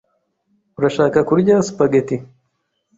Urashaka kurya spagheti?